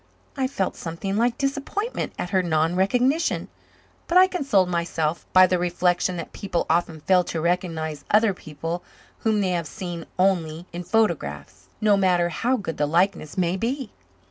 I felt something like disappointment at her non recognition, but I consoled myself by the reflection that people often fail to recognize other people whom they have seen only in photographs, no matter how good the likeness may be.